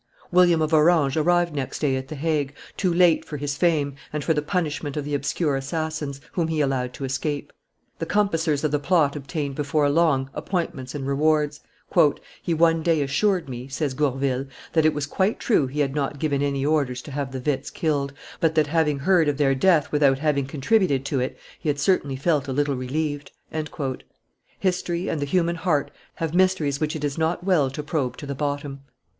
William of Orange arrived next day at the Hague, too late for his fame, and for the punishment of the obscure assassins, whom he allowed to escape. The compassers of the plot obtained before long appointments and rewards. "He one day assured me," says Gourville, "that it was quite true he had not given any orders to have the Witts killed, but that, having heard of their death without having contributed to it, he had certainly felt a little relieved." History and the human heart have mysteries which it is not well to probe to the bottom.